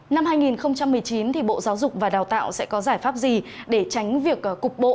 năm hai nghìn một mươi chín bộ giáo dục và đào tạo sẽ có giải pháp gì để tránh việc cục bộ